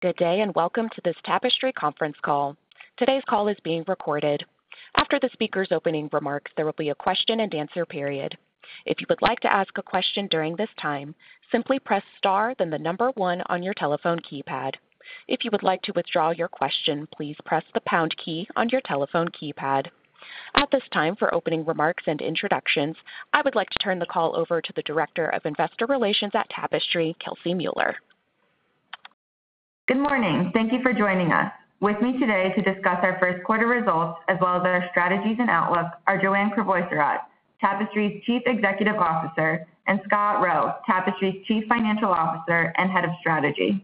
Good day, and welcome to this Tapestry conference call. Today's call is being recorded. After the speaker's opening remarks, there will be a question-and-answer period. If you would like to ask a question during this time, simply press star then the number one on your telephone keypad. If you would like to withdraw your question, please press the pound key on your telephone keypad. At this time, for opening remarks and introductions, I would like to turn the call over to the Director of Investor Relations at Tapestry, Kelsey Mueller. Good morning. Thank you for joining us. With me today to discuss our first quarter results as well as our strategies and outlook are Joanne Crevoiserat, Tapestry's Chief Executive Officer, and Scott Roe, Tapestry's Chief Financial Officer and Head of Strategy.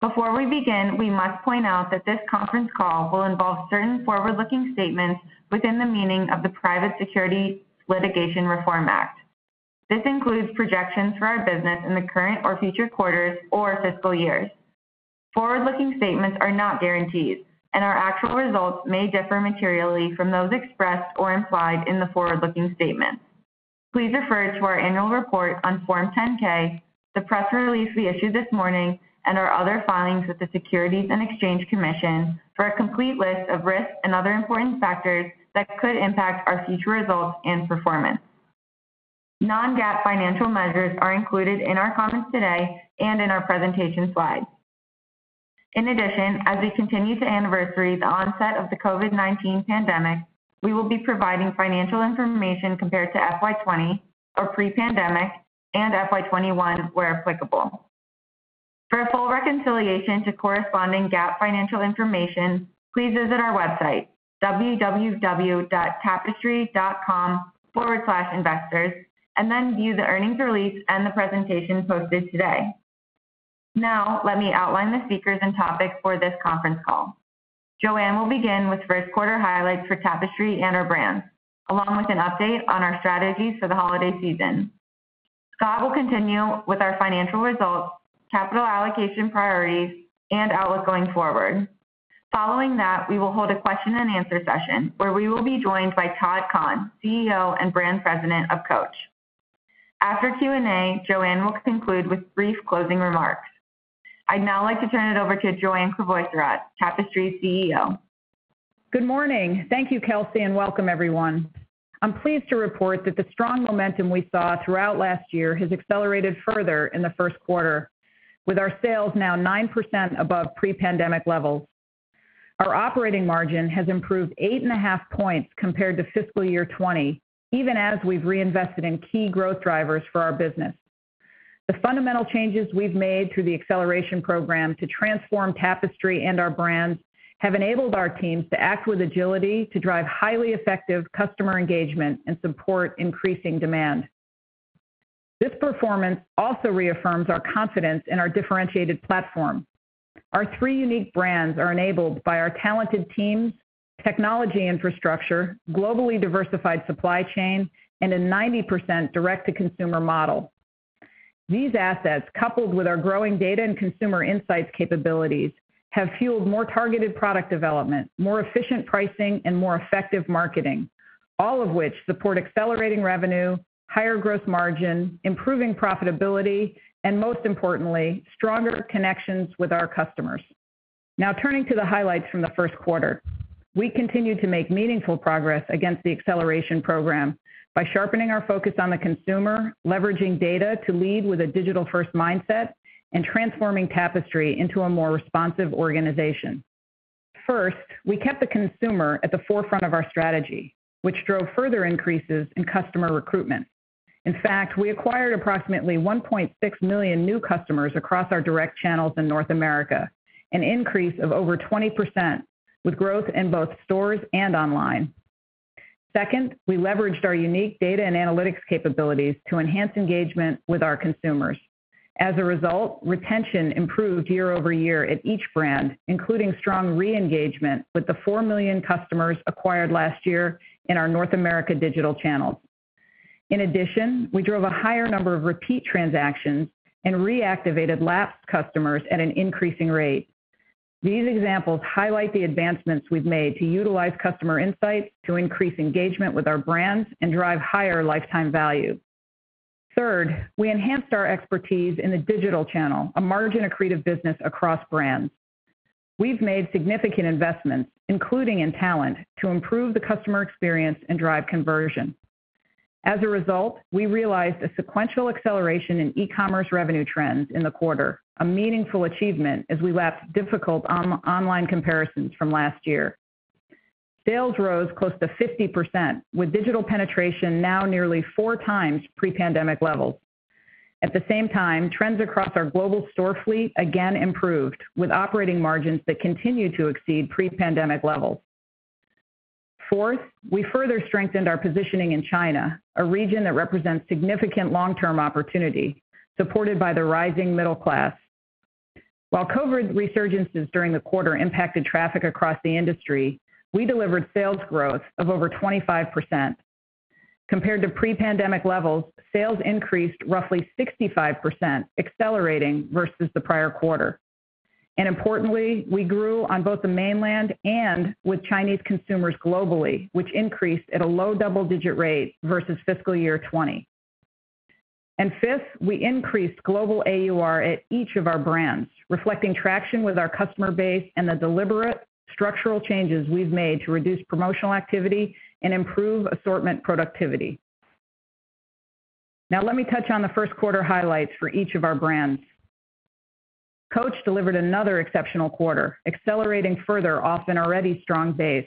Before we begin, we must point out that this conference call will involve certain forward-looking statements within the meaning of the Private Securities Litigation Reform Act. This includes projections for our business in the current or future quarters or fiscal years. Forward-looking statements are not guarantees, and our actual results may differ materially from those expressed or implied in the forward-looking statements. Please refer to our annual report on Form 10-K, the press release we issued this morning, and our other filings with the Securities and Exchange Commission for a complete list of risks and other important factors that could impact our future results and performance. Non-GAAP financial measures are included in our comments today and in our presentation slides. In addition, as we continue to anniversary the onset of the COVID-19 pandemic, we will be providing financial information compared to FY 2020 or pre-pandemic and FY 2021 where applicable. For a full reconciliation to corresponding GAAP financial information, please visit our website, www.tapestry.com/investors, and then view the earnings release and the presentation posted today. Now, let me outline the speakers and topics for this conference call. Joanne will begin with first quarter highlights for Tapestry and our brands, along with an update on our strategies for the holiday season. Scott will continue with our financial results, capital allocation priorities, and outlook going forward. Following that, we will hold a question-and-answer session where we will be joined by Todd Kahn, CEO and Brand President of Coach. After Q&A, Joanne will conclude with brief closing remarks. I'd now like to turn it over to Joanne Crevoiserat, Tapestry's CEO. Good morning. Thank you, Kelsey, and welcome everyone. I'm pleased to report that the strong momentum we saw throughout last year has accelerated further in the first quarter, with our sales now 9% above pre-pandemic levels. Our operating margin has improved 8.5 points compared to fiscal year 2020, even as we've reinvested in key growth drivers for our business. The fundamental changes we've made through the Acceleration Program to transform Tapestry and our brands have enabled our teams to act with agility to drive highly effective customer engagement and support increasing demand. This performance also reaffirms our confidence in our differentiated platform. Our three unique brands are enabled by our talented teams, technology infrastructure, globally diversified supply chain, and a 90% direct-to-consumer model. These assets, coupled with our growing data and consumer insights capabilities, have fueled more targeted product development, more efficient pricing, and more effective marketing, all of which support accelerating revenue, higher growth margin, improving profitability, and most importantly, stronger connections with our customers. Now, turning to the highlights from the first quarter. We continue to make meaningful progress against the Acceleration Program by sharpening our focus on the consumer, leveraging data to lead with a digital-first mindset, and transforming Tapestry into a more responsive organization. First, we kept the consumer at the forefront of our strategy, which drove further increases in customer recruitment. In fact, we acquired approximately 1.6 million new customers across our direct channels in North America, an increase of over 20% with growth in both stores and online. Second, we leveraged our unique data and analytics capabilities to enhance engagement with our consumers. As a result, retention improved year-over-year at each brand, including strong re-engagement with the 4 million customers acquired last year in our North America digital channels. In addition, we drove a higher number of repeat transactions and reactivated lapsed customers at an increasing rate. These examples highlight the advancements we've made to utilize customer insights to increase engagement with our brands and drive higher lifetime value. Third, we enhanced our expertise in the digital channel, a margin-accretive business across brands. We've made significant investments, including in talent, to improve the customer experience and drive conversion. As a result, we realized a sequential acceleration in e-commerce revenue trends in the quarter, a meaningful achievement as we lapped difficult online comparisons from last year. Sales rose close to 50%, with digital penetration now nearly 4x pre-pandemic levels. At the same time, trends across our global store fleet again improved, with operating margins that continue to exceed pre-pandemic levels. Fourth, we further strengthened our positioning in China, a region that represents significant long-term opportunity, supported by the rising middle class. While COVID-19 resurgences during the quarter impacted traffic across the industry, we delivered sales growth of over 25%. Compared to pre-pandemic levels, sales increased roughly 65%, accelerating versus the prior quarter. Importantly, we grew on both the mainland and with Chinese consumers globally, which increased at a low double-digit rate versus fiscal year 2020. Fifth, we increased global AUR at each of our brands, reflecting traction with our customer base and the deliberate structural changes we've made to reduce promotional activity and improve assortment productivity. Now let me touch on the first quarter highlights for each of our brands. Coach delivered another exceptional quarter, accelerating further off an already strong base.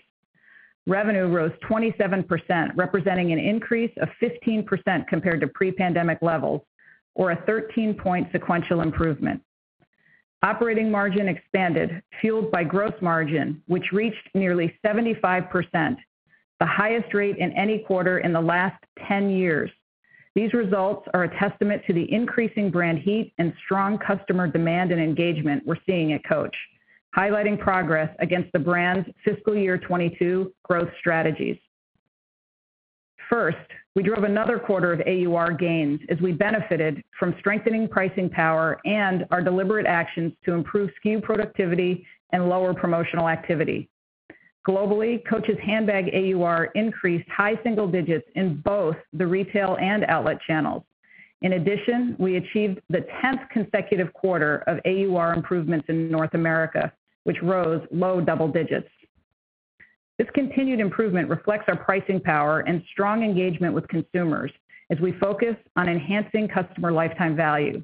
Revenue rose 27%, representing an increase of 15% compared to pre-pandemic levels, or a 13-point sequential improvement. Operating margin expanded, fueled by gross margin, which reached nearly 75%, the highest rate in any quarter in the last 10 years. These results are a testament to the increasing brand heat and strong customer demand and engagement we're seeing at Coach, highlighting progress against the brand's FY 2022 growth strategies. First, we drove another quarter of AUR gains as we benefited from strengthening pricing power and our deliberate actions to improve SKU productivity and lower promotional activity. Globally, Coach's handbag AUR increased high single digits in both the retail and outlet channels. In addition, we achieved the 10th consecutive quarter of AUR improvements in North America, which rose low double digits. This continued improvement reflects our pricing power and strong engagement with consumers as we focus on enhancing customer lifetime value.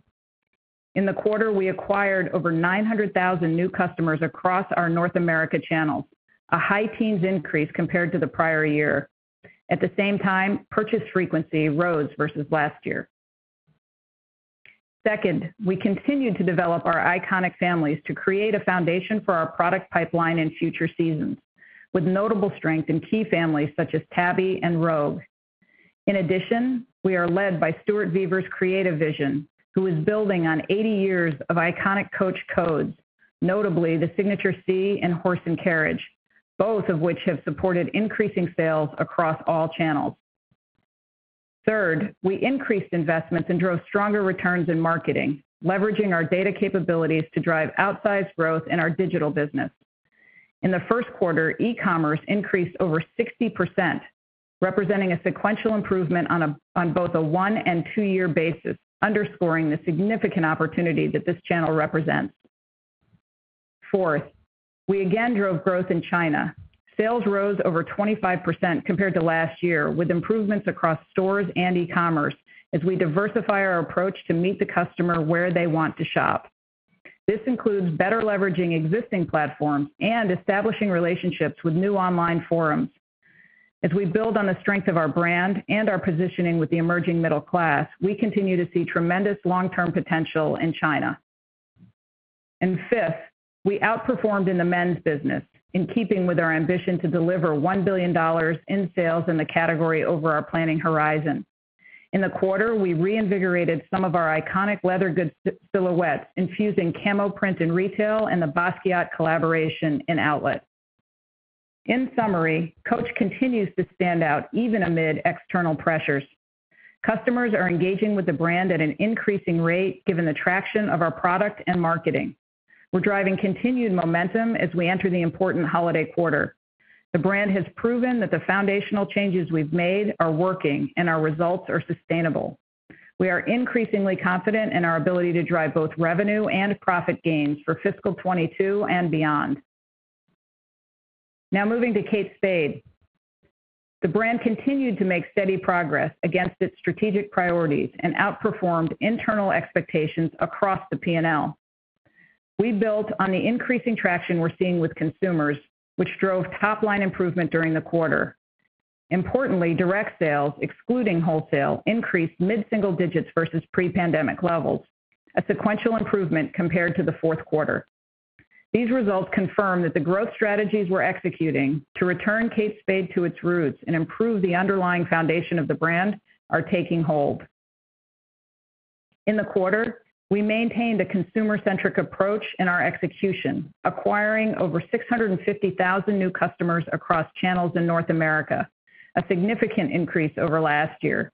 In the quarter, we acquired over 900,000 new customers across our North America channels, a high teens increase compared to the prior year. At the same time, purchase frequency rose versus last year. Second, we continued to develop our iconic families to create a foundation for our product pipeline in future seasons, with notable strength in key families such as Tabby and Rogue. In addition, we are led by Stuart Vevers' creative vision, who is building on 80 years of iconic Coach codes, notably the Signature C and Horse & Carriage, both of which have supported increasing sales across all channels. Third, we increased investments and drove stronger returns in marketing, leveraging our data capabilities to drive outsized growth in our digital business. In the first quarter, e-commerce increased over 60%, representing a sequential improvement on both a one- and two-year basis, underscoring the significant opportunity that this channel represents. Fourth, we again drove growth in China. Sales rose over 25% compared to last year, with improvements across stores and e-commerce as we diversify our approach to meet the customer where they want to shop. This includes better leveraging existing platforms and establishing relationships with new online forums. As we build on the strength of our brand and our positioning with the emerging middle class, we continue to see tremendous long-term potential in China. Fifth, we outperformed in the men's business, in keeping with our ambition to deliver $1 billion in sales in the category over our planning horizon. In the quarter, we reinvigorated some of our iconic leather goods silhouettes, infusing camo print in retail and the Basquiat collaboration in outlet. In summary, Coach continues to stand out even amid external pressures. Customers are engaging with the brand at an increasing rate given the traction of our product and marketing. We're driving continued momentum as we enter the important holiday quarter. The brand has proven that the foundational changes we've made are working and our results are sustainable. We are increasingly confident in our ability to drive both revenue and profit gains for fiscal 2022 and beyond. Now moving to Kate Spade. The brand continued to make steady progress against its strategic priorities and outperformed internal expectations across the P&L. We built on the increasing traction we're seeing with consumers, which drove top line improvement during the quarter. Importantly, direct sales, excluding wholesale, increased mid-single digits versus pre-pandemic levels, a sequential improvement compared to the fourth quarter. These results confirm that the growth strategies we're executing to return Kate Spade to its roots and improve the underlying foundation of the brand are taking hold. In the quarter, we maintained a consumer-centric approach in our execution, acquiring over 650,000 new customers across channels in North America, a significant increase over last year.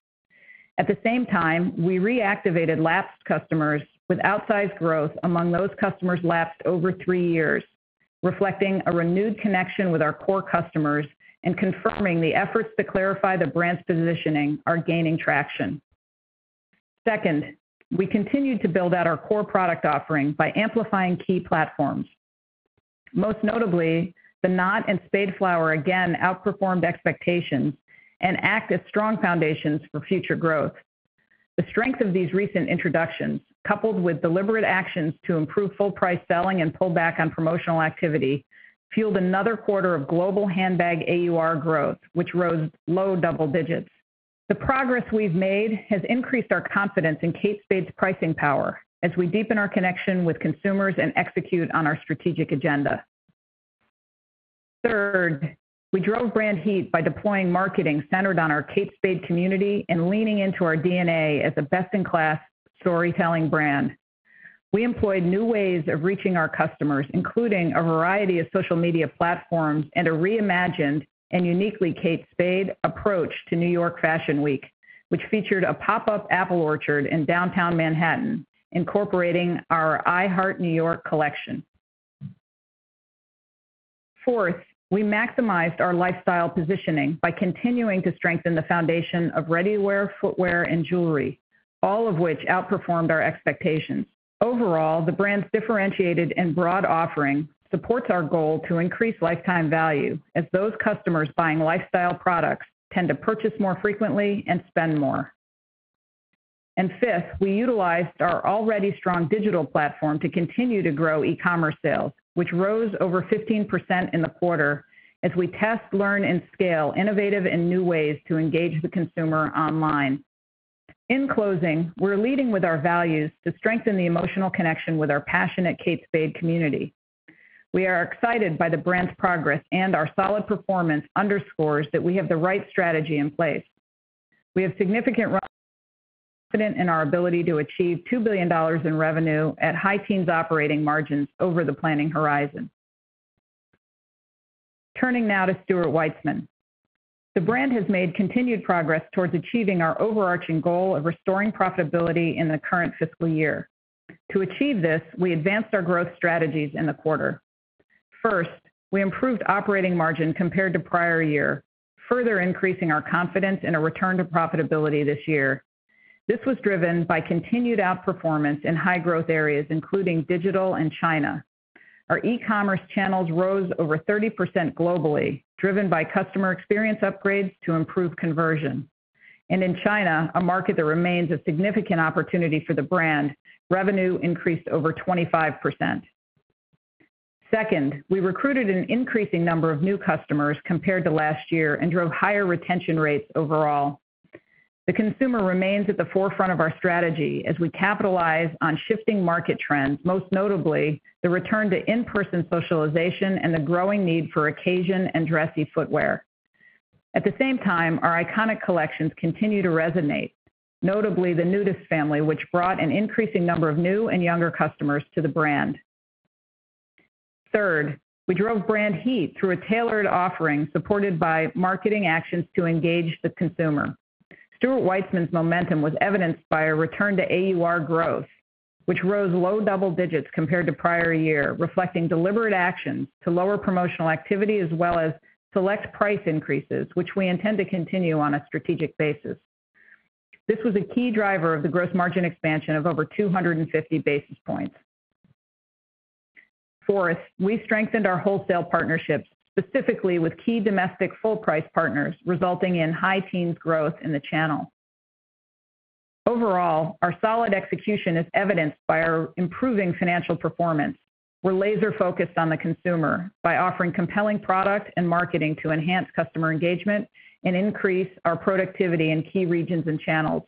At the same time, we reactivated lapsed customers with outsized growth among those customers lapsed over three years, reflecting a renewed connection with our core customers and confirming the efforts to clarify the brand's positioning are gaining traction. Second, we continued to build out our core product offering by amplifying key platforms. Most notably, the Knott and Spade Flower again outperformed expectations and act as strong foundations for future growth. The strength of these recent introductions, coupled with deliberate actions to improve full price selling and pull back on promotional activity, fueled another quarter of global handbag AUR growth, which rose low double digits. The progress we've made has increased our confidence in Kate Spade's pricing power as we deepen our connection with consumers and execute on our strategic agenda. Third, we drove brand heat by deploying marketing centered on our Kate Spade community and leaning into our DNA as a best-in-class storytelling brand. We employed new ways of reaching our customers, including a variety of social media platforms and a reimagined and uniquely Kate Spade approach to New York Fashion Week, which featured a pop-up apple orchard in downtown Manhattan incorporating our I Love New York collection. Fourth, we maximized our lifestyle positioning by continuing to strengthen the foundation of ready-wear footwear and jewelry, all of which outperformed our expectations. Overall, the brand's differentiated and broad offering supports our goal to increase lifetime value as those customers buying lifestyle products tend to purchase more frequently and spend more. Fifth, we utilized our already strong digital platform to continue to grow e-commerce sales, which rose over 15% in the quarter as we test, learn, and scale innovative and new ways to engage the consumer online. In closing, we're leading with our values to strengthen the emotional connection with our passionate Kate Spade community. We are excited by the brand's progress, and our solid performance underscores that we have the right strategy in place. We have significant confidence in our ability to achieve $2 billion in revenue at high teens operating margins over the planning horizon. Turning now to Stuart Weitzman. The brand has made continued progress towards achieving our overarching goal of restoring profitability in the current fiscal year. To achieve this, we advanced our growth strategies in the quarter. First, we improved operating margin compared to prior year, further increasing our confidence in a return to profitability this year. This was driven by continued outperformance in high-growth areas, including digital and China. Our e-commerce channels rose over 30% globally, driven by customer experience upgrades to improve conversion. In China, a market that remains a significant opportunity for the brand, revenue increased over 25%. Second, we recruited an increasing number of new customers compared to last year and drove higher retention rates overall. The consumer remains at the forefront of our strategy as we capitalize on shifting market trends, most notably the return to in-person socialization and the growing need for occasion and dressy footwear. At the same time, our iconic collections continue to resonate, notably the Tabby family, which brought an increasing number of new and younger customers to the brand. Third, we drove brand heat through a tailored offering supported by marketing actions to engage the consumer. Stuart Weitzman's momentum was evidenced by a return to AUR growth, which rose low double digits compared to prior year, reflecting deliberate actions to lower promotional activity as well as select price increases, which we intend to continue on a strategic basis. This was a key driver of the gross margin expansion of over 250 basis points. Fourth, we strengthened our wholesale partnerships, specifically with key domestic full price partners, resulting in high teens growth in the channel. Overall, our solid execution is evidenced by our improving financial performance. We're laser-focused on the consumer by offering compelling product and marketing to enhance customer engagement and increase our productivity in key regions and channels.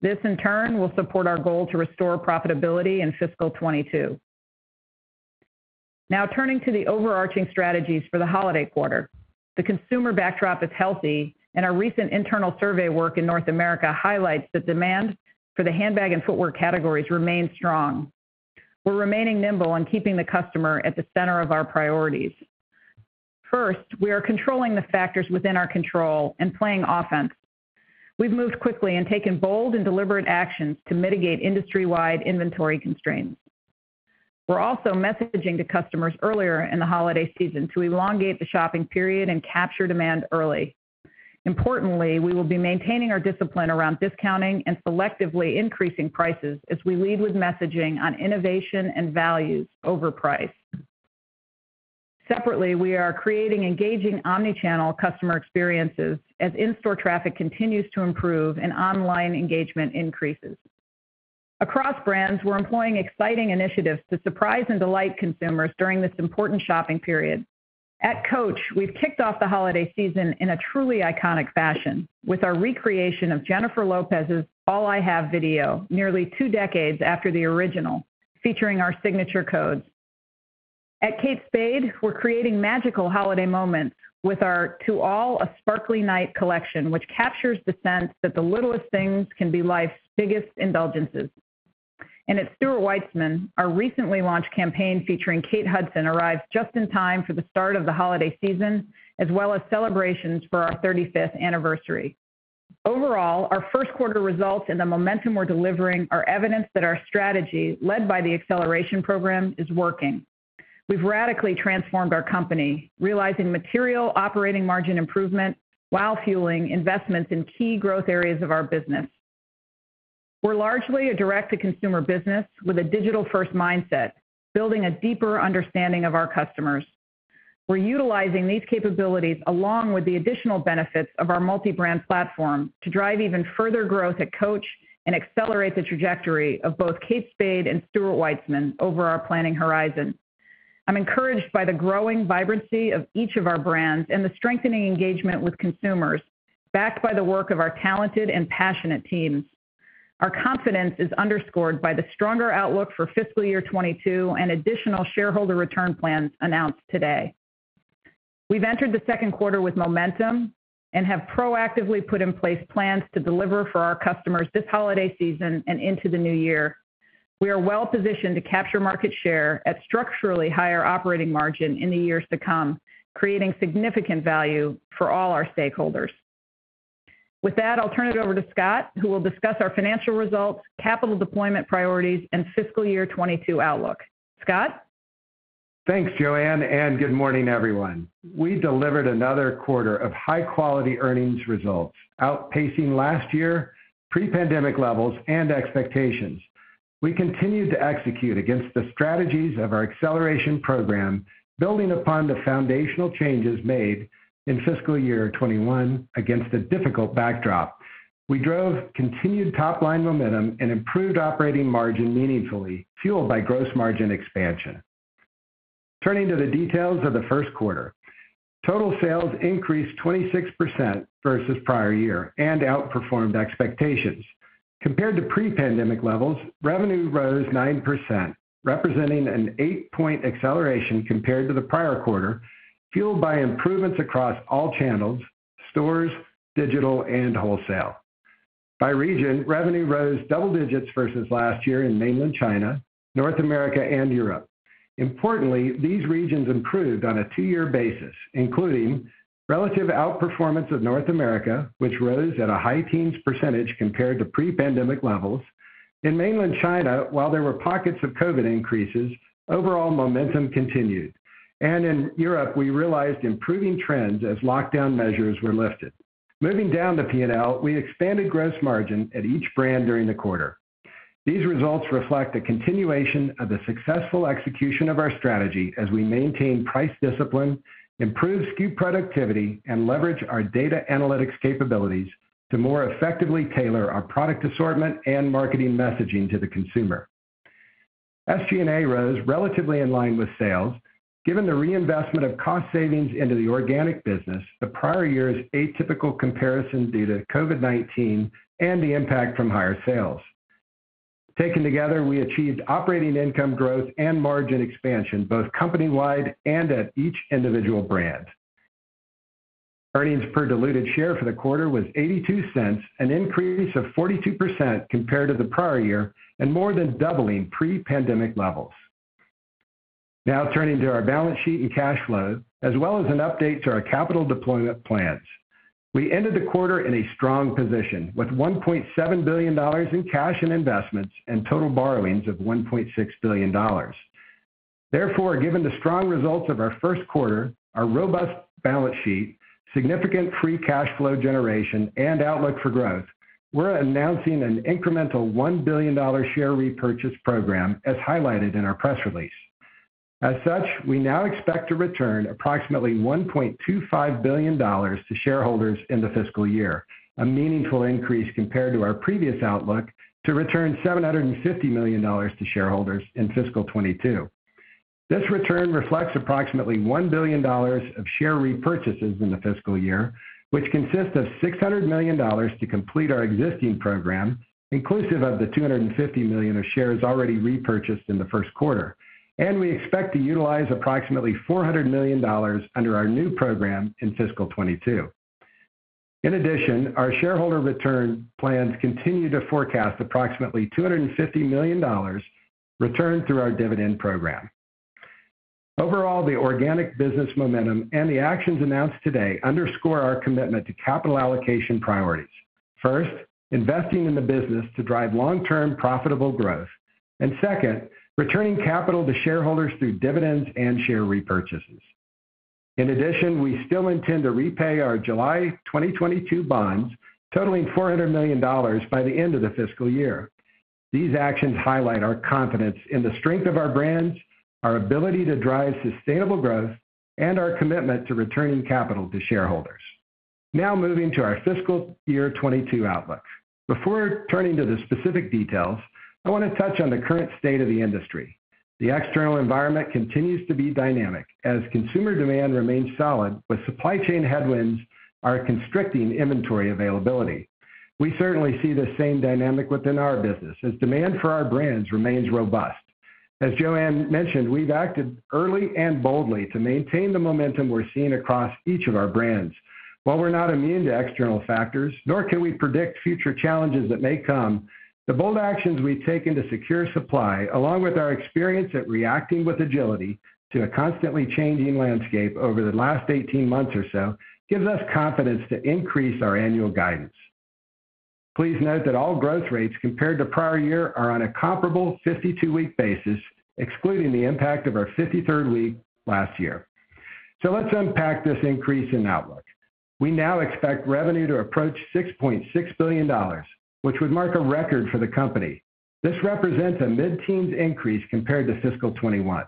This, in turn, will support our goal to restore profitability in fiscal 2022. Now turning to the overarching strategies for the holiday quarter. The consumer backdrop is healthy, and our recent internal survey work in North America highlights the demand for the handbag and footwear categories remain strong. We're remaining nimble on keeping the customer at the center of our priorities. First, we are controlling the factors within our control and playing offense. We've moved quickly and taken bold and deliberate actions to mitigate industry-wide inventory constraints. We're also messaging to customers earlier in the holiday season to elongate the shopping period and capture demand early. Importantly, we will be maintaining our discipline around discounting and selectively increasing prices as we lead with messaging on innovation and values over price. Separately, we are creating engaging omnichannel customer experiences as in-store traffic continues to improve and online engagement increases. Across brands, we're employing exciting initiatives to surprise and delight consumers during this important shopping period. At Coach, we've kicked off the holiday season in a truly iconic fashion with our recreation of Jennifer Lopez's All I Have video nearly two decades after the original, featuring our signature codes. At Kate Spade, we're creating magical holiday moments with our To All a Sparkly Night collection, which captures the sense that the littlest things can be life's biggest indulgences. At Stuart Weitzman, our recently launched campaign featuring Kate Hudson arrives just in time for the start of the holiday season, as well as celebrations for our thirty-fifth anniversary. Overall, our first quarter results and the momentum we're delivering are evidence that our strategy, led by the Acceleration Program, is working. We've radically transformed our company, realizing material operating margin improvement while fueling investments in key growth areas of our business. We're largely a direct-to-consumer business with a digital-first mindset, building a deeper understanding of our customers. We're utilizing these capabilities along with the additional benefits of our multi-brand platform to drive even further growth at Coach and accelerate the trajectory of both Kate Spade and Stuart Weitzman over our planning horizon. I'm encouraged by the growing vibrancy of each of our brands and the strengthening engagement with consumers, backed by the work of our talented and passionate teams. Our confidence is underscored by the stronger outlook for fiscal year 2022 and additional shareholder return plans announced today. We've entered the second quarter with momentum and have proactively put in place plans to deliver for our customers this holiday season and into the new year. We are well-positioned to capture market share at structurally higher operating margin in the years to come, creating significant value for all our stakeholders. With that, I'll turn it over to Scott, who will discuss our financial results, capital deployment priorities, and fiscal year 2022 outlook. Scott? Thanks, Joanne, and good morning, everyone. We delivered another quarter of high-quality earnings results, outpacing last year, pre-pandemic levels and expectations. We continued to execute against the strategies of our Acceleration Program, building upon the foundational changes made in fiscal year 2021 against a difficult backdrop. We drove continued top-line momentum and improved operating margin meaningfully, fueled by gross margin expansion. Turning to the details of the first quarter. Total sales increased 26% versus prior year and outperformed expectations. Compared to pre-pandemic levels, revenue rose 9%, representing an 8-point acceleration compared to the prior quarter, fueled by improvements across all channels, stores, digital, and wholesale. By region, revenue rose double digits versus last year in Mainland China, North America, and Europe. Importantly, these regions improved on a two-year basis, including relative outperformance of North America, which rose at a high-teens % compared to pre-pandemic levels. In Mainland China, while there were pockets of COVID-19 increases, overall momentum continued. In Europe, we realized improving trends as lockdown measures were lifted. Moving down to P&L, we expanded gross margin at each brand during the quarter. These results reflect the continuation of the successful execution of our strategy as we maintain price discipline, improve SKU productivity, and leverage our data analytics capabilities to more effectively tailor our product assortment and marketing messaging to the consumer. SG&A rose relatively in line with sales, given the reinvestment of cost savings into the organic business, the prior year's atypical comparison due to COVID-19, and the impact from higher sales. Taken together, we achieved operating income growth and margin expansion, both company-wide and at each individual brand. Earnings per diluted share for the quarter was $0.82, an increase of 42% compared to the prior year and more than doubling pre-pandemic levels. Now turning to our balance sheet and cash flow, as well as an update to our capital deployment plans. We ended the quarter in a strong position with $1.7 billion in cash and investments and total borrowings of $1.6 billion. Therefore, given the strong results of our first quarter, our robust balance sheet, significant free cash flow generation, and outlook for growth, we're announcing an incremental $1 billion share repurchase program as highlighted in our press release. As such, we now expect to return approximately $1.25 billion to shareholders in the fiscal year, a meaningful increase compared to our previous outlook to return $750 million to shareholders in FY 2022. This return reflects approximately $1 billion of share repurchases in the fiscal year, which consists of $600 million to complete our existing program, inclusive of the $250 million of shares already repurchased in the first quarter. We expect to utilize approximately $400 million under our new program in FY 2022. In addition, our shareholder return plans continue to forecast approximately $250 million returned through our dividend program. Overall, the organic business momentum and the actions announced today underscore our commitment to capital allocation priorities. First, investing in the business to drive long-term profitable growth. Second, returning capital to shareholders through dividends and share repurchases. In addition, we still intend to repay our July 2022 bonds totaling $400 million by the end of the fiscal year. These actions highlight our confidence in the strength of our brands, our ability to drive sustainable growth, and our commitment to returning capital to shareholders. Now moving to our fiscal year 2022 outlook. Before turning to the specific details, I wanna touch on the current state of the industry. The external environment continues to be dynamic as consumer demand remains solid with supply chain headwinds are constricting inventory availability. We certainly see the same dynamic within our business as demand for our brands remains robust. As Joanne mentioned, we've acted early and boldly to maintain the momentum we're seeing across each of our brands. While we're not immune to external factors, nor can we predict future challenges that may come, the bold actions we've taken to secure supply, along with our experience at reacting with agility to a constantly changing landscape over the last 18 months or so, gives us confidence to increase our annual guidance. Please note that all growth rates compared to prior year are on a comparable 52-week basis, excluding the impact of our 53rd week last year. Let's unpack this increase in outlook. We now expect revenue to approach $6.6 billion, which would mark a record for the company. This represents a mid-teens increase compared to FY 2021.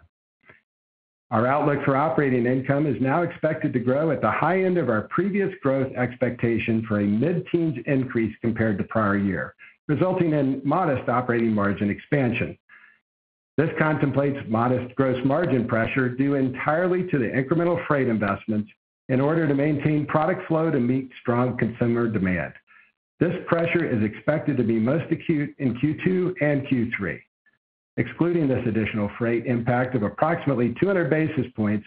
Our outlook for operating income is now expected to grow at the high end of our previous growth expectation for a mid-teens increase compared to prior year, resulting in modest operating margin expansion. This contemplates modest gross margin pressure due entirely to the incremental freight investments in order to maintain product flow to meet strong consumer demand. This pressure is expected to be most acute in Q2 and Q3. Excluding this additional freight impact of approximately 200 basis points,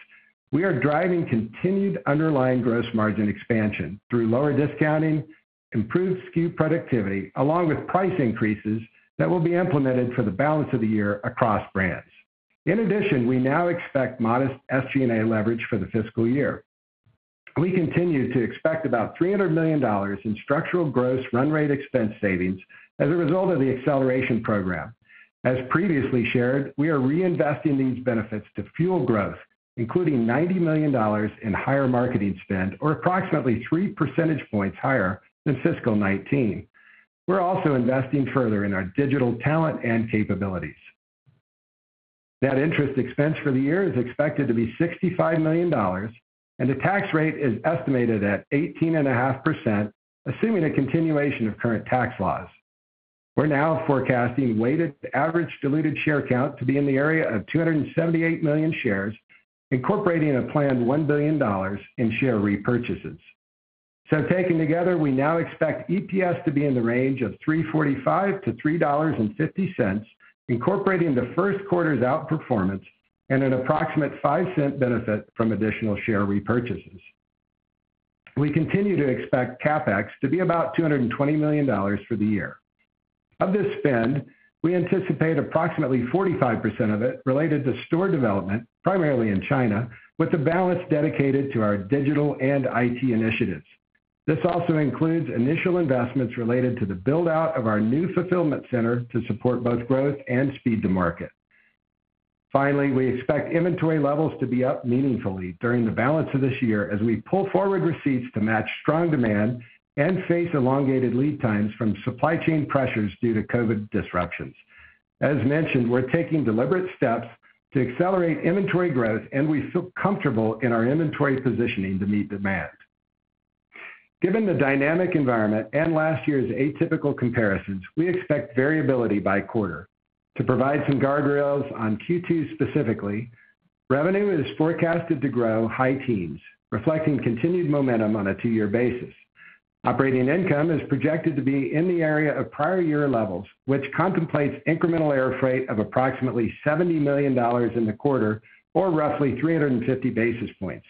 we are driving continued underlying gross margin expansion through lower discounting, improved SKU productivity, along with price increases that will be implemented for the balance of the year across brands. In addition, we now expect modest SG&A leverage for the fiscal year. We continue to expect about $300 million in structural gross run rate expense savings as a result of the Acceleration Program. As previously shared, we are reinvesting these benefits to fuel growth, including $90 million in higher marketing spend, or approximately 3 percentage points higher than fiscal 2019. We're also investing further in our digital talent and capabilities. Net interest expense for the year is expected to be $65 million, and the tax rate is estimated at 18.5%, assuming a continuation of current tax laws. We're now forecasting weighted average diluted share count to be in the area of 278 million shares, incorporating a planned $1 billion in share repurchases. Taken together, we now expect EPS to be in the range of $3.45-$3.50, incorporating the first quarter's outperformance and an approximate $0.5 benefit from additional share repurchases. We continue to expect CapEx to be about $220 million for the year. Of this spend, we anticipate approximately 45% of it related to store development, primarily in China, with the balance dedicated to our digital and IT initiatives. This also includes initial investments related to the build-out of our new fulfillment center to support both growth and speed to market. Finally, we expect inventory levels to be up meaningfully during the balance of this year as we pull forward receipts to match strong demand and face elongated lead times from supply chain pressures due to COVID-19 disruptions. As mentioned, we're taking deliberate steps to accelerate inventory growth, and we feel comfortable in our inventory positioning to meet demand. Given the dynamic environment and last year's atypical comparisons, we expect variability by quarter. To provide some guardrails on Q2 specifically, revenue is forecasted to grow high teens%, reflecting continued momentum on a two-year basis. Operating income is projected to be in the area of prior year levels, which contemplates incremental air freight of approximately $70 million in the quarter or roughly 350 basis points.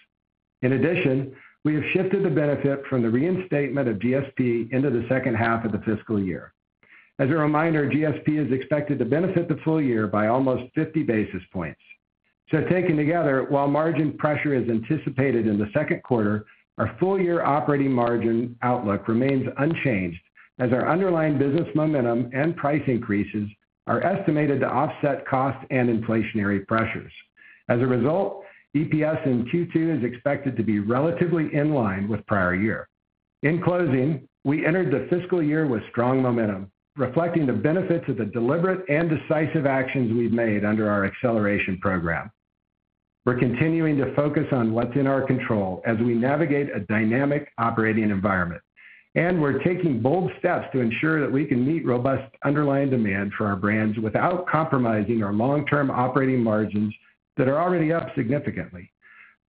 In addition, we have shifted the benefit from the reinstatement of GSP into the second half of the fiscal year. As a reminder, GSP is expected to benefit the full year by almost 50 basis points. Taken together, while margin pressure is anticipated in the second quarter, our full year operating margin outlook remains unchanged as our underlying business momentum and price increases are estimated to offset cost and inflationary pressures. As a result, EPS in Q2 is expected to be relatively in line with prior year. In closing, we entered the fiscal year with strong momentum, reflecting the benefits of the deliberate and decisive actions we've made under our Acceleration Program. We're continuing to focus on what's in our control as we navigate a dynamic operating environment, and we're taking bold steps to ensure that we can meet robust underlying demand for our brands without compromising our long-term operating margins that are already up significantly.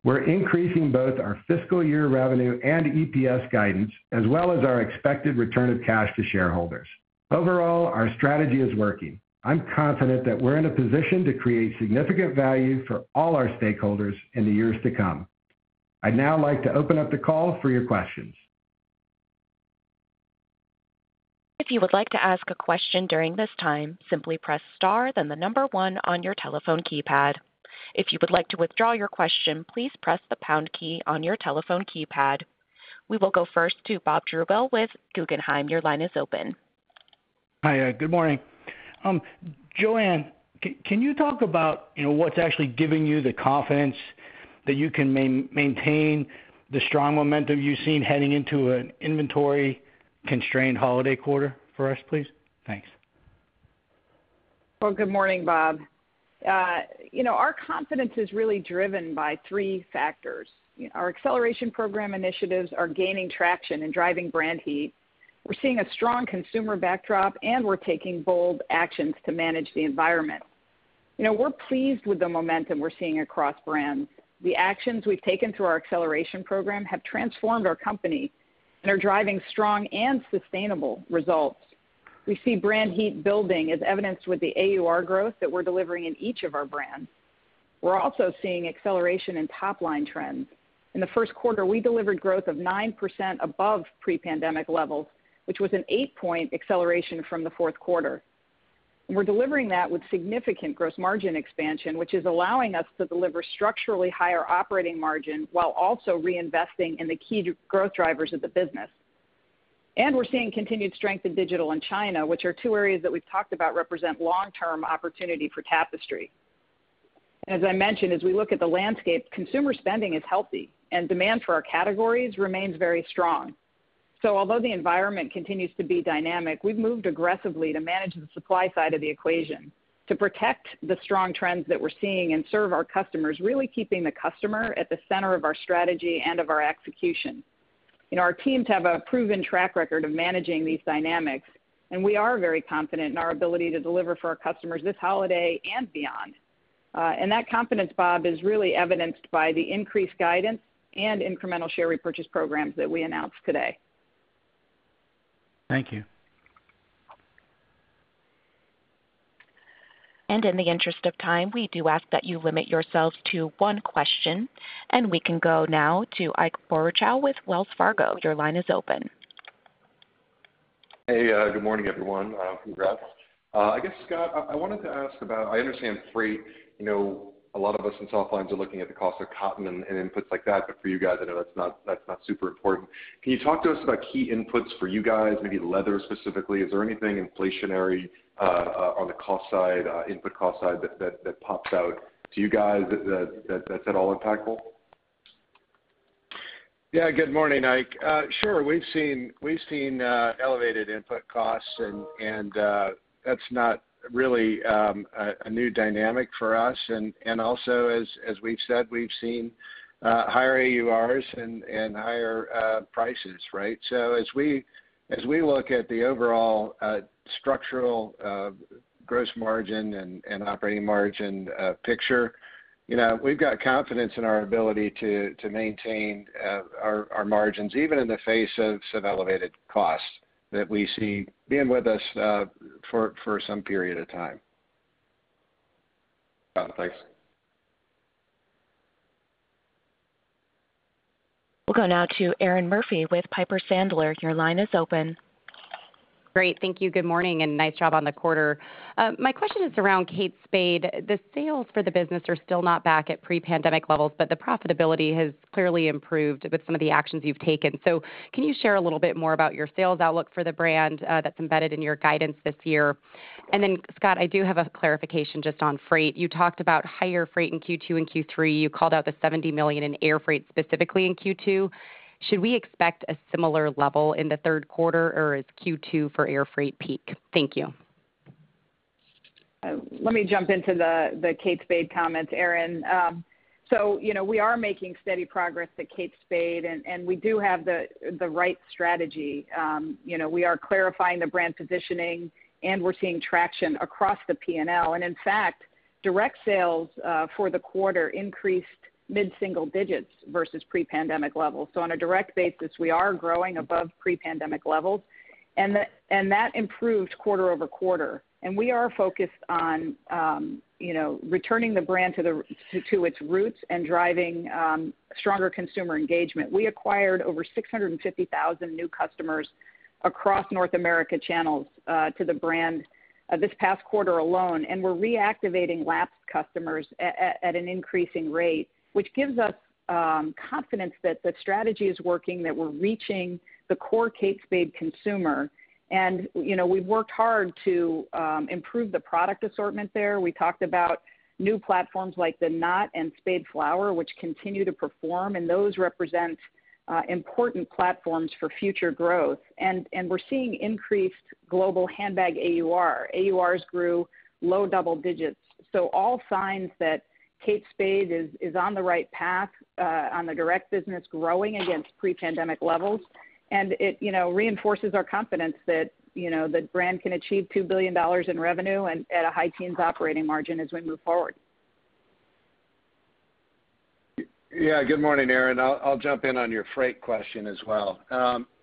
We're increasing both our fiscal year revenue and EPS guidance as well as our expected return of cash to shareholders. Overall, our strategy is working. I'm confident that we're in a position to create significant value for all our stakeholders in the years to come. I'd now like to open up the call for your questions. If you would like to ask a question during this time, simply press star then the number one on your telephone keypad. If you would like to withdraw your question, please press the pound key on your telephone keypad. We will go first to Bob Drbul with Guggenheim. Your line is open. Hi good morning. Joanne, can you talk about, you know, what's actually giving you the confidence that you can maintain the strong momentum you've seen heading into an inventory-constrained holiday quarter for us, please? Thanks. Well, good morning, Bob. You know, our confidence is really driven by three factors. Our Acceleration Program initiatives are gaining traction and driving brand heat. We're seeing a strong consumer backdrop, and we're taking bold actions to manage the environment. You know, we're pleased with the momentum we're seeing across brands. The actions we've taken through our Acceleration Program have transformed our company and are driving strong and sustainable results. We see brand heat building, as evidenced with the AUR growth that we're delivering in each of our brands. We're also seeing acceleration in top-line trends. In the first quarter, we delivered growth of 9% above pre-pandemic levels, which was an 8-point acceleration from the fourth quarter. We're delivering that with significant gross margin expansion, which is allowing us to deliver structurally higher operating margin while also reinvesting in the key growth drivers of the business. We're seeing continued strength in digital and China, which are two areas that we've talked about represent long-term opportunity for Tapestry. As I mentioned, as we look at the landscape, consumer spending is healthy and demand for our categories remains very strong. Although the environment continues to be dynamic, we've moved aggressively to manage the supply side of the equation to protect the strong trends that we're seeing and serve our customers, really keeping the customer at the center of our strategy and of our execution. You know, our teams have a proven track record of managing these dynamics, and we are very confident in our ability to deliver for our customers this holiday and beyond. That confidence, Bob, is really evidenced by the increased guidance and incremental share repurchase programs that we announced today. Thank you. In the interest of time, we do ask that you limit yourselves to one question. We can go now to Ike Boruchow with Wells Fargo. Your line is open. Hey good morning everyone. Congrats. I guess, Scott, I wanted to ask about, I understand freight. You know, a lot of us in softlines are looking at the cost of cotton and inputs like that. For you guys, I know that's not super important. Can you talk to us about key inputs for you guys, maybe leather specifically? Is there anything inflationary on the cost side, input cost side that pops out to you guys that's at all impactful? Yeah. Good morning, Ike. Sure. We've seen elevated input costs and that's not really a new dynamic for us. Also, as we've said, we've seen higher AURs and higher prices, right? As we look at the overall structural gross margin and operating margin picture, you know, we've got confidence in our ability to maintain our margins, even in the face of some elevated costs that we see being with us for some period of time. Got it. Thanks. We'll go now to Erinn Murphy with Piper Sandler. Your line is open. Great. Thank you. Good morning, and nice job on the quarter. My question is around Kate Spade. The sales for the business are still not back at pre-pandemic levels, but the profitability has clearly improved with some of the actions you've taken. Can you share a little bit more about your sales outlook for the brand, that's embedded in your guidance this year? Then Scott, I do have a clarification just on freight. You talked about higher freight in Q2 and Q3. You called out the $70 million in air freight specifically in Q2. Should we expect a similar level in the third quarter, or is Q2 for air freight peak? Thank you. Let me jump into the Kate Spade comments, Erin. So, you know, we are making steady progress at Kate Spade, and we do have the right strategy. You know, we are clarifying the brand positioning, and we're seeing traction across the P&L. In fact, direct sales for the quarter increased mid-single digits versus pre-pandemic levels. On a direct basis, we are growing above pre-pandemic levels. That improved quarter-over-quarter. We are focused on, you know, returning the brand to its roots and driving stronger consumer engagement. We acquired over 650,000 new customers across North America channels to the brand this past quarter alone, and we're reactivating lapsed customers at an increasing rate, which gives us confidence that the strategy is working, that we're reaching the core Kate Spade consumer. You know, we've worked hard to improve the product assortment there. We talked about new platforms like the Knott and Spade Flower, which continue to perform, and those represent important platforms for future growth. We're seeing increased global handbag AUR. AURs grew low double digits. All signs that Kate Spade is on the right path on the direct business growing against pre-pandemic levels. It, you know, reinforces our confidence that, you know, the brand can achieve $2 billion in revenue and at a high teens% operating margin as we move forward. Yeah. Good morning, Erin. I'll jump in on your freight question as well.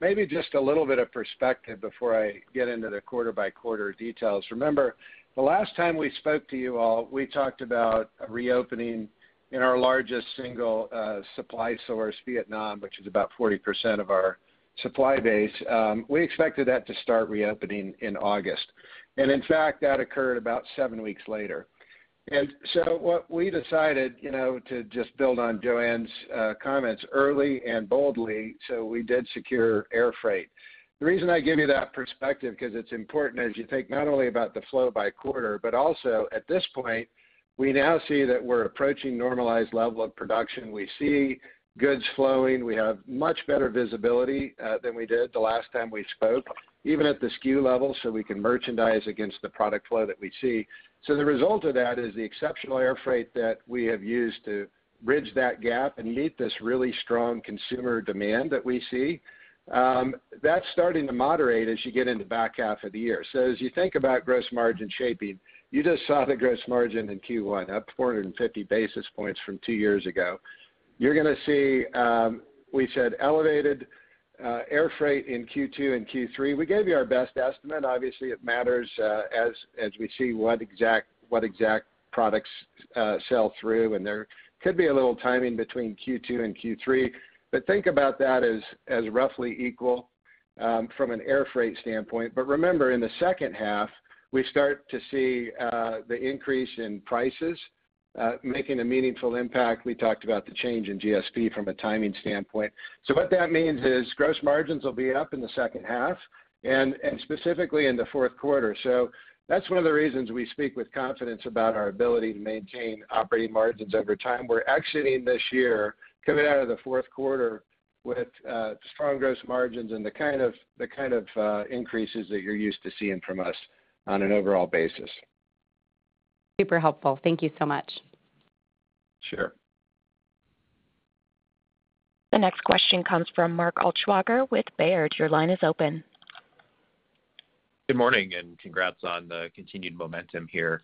Maybe just a little bit of perspective before I get into the quarter-by-quarter details. Remember, the last time we spoke to you all, we talked about reopening in our largest single supply source, Vietnam, which is about 40% of our supply base. We expected that to start reopening in August. In fact, that occurred about seven weeks later. What we decided, you know, to just build on Joanne's comments early and boldly, so we did secure air freight. The reason I give you that perspective, 'cause it's important as you think not only about the flow by quarter, but also at this point, we now see that we're approaching normalized level of production. We see goods flowing. We have much better visibility than we did the last time we spoke, even at the SKU level, so we can merchandise against the product flow that we see. The result of that is the exceptional air freight that we have used to bridge that gap and meet this really strong consumer demand that we see, that's starting to moderate as you get in the back half of the year. As you think about gross margin shaping, you just saw the gross margin in Q1, up 450 basis points from two years ago. You're gonna see, we said elevated air freight in Q2 and Q3. We gave you our best estimate. Obviously, it matters, as we see what exact products sell through, and there could be a little timing between Q2 and Q3. Think about that as roughly equal from an air freight standpoint. Remember, in the second half, we start to see the increase in prices making a meaningful impact. We talked about the change in GSP from a timing standpoint. What that means is gross margins will be up in the second half and specifically in the fourth quarter. That's one of the reasons we speak with confidence about our ability to maintain operating margins over time. We're exiting this year coming out of the fourth quarter with strong gross margins and the kind of increases that you're used to seeing from us on an overall basis. Super helpful. Thank you so much. Sure. The next question comes from Mark Altschwager with Baird. Your line is open. Good morning, and congrats on the continued momentum here.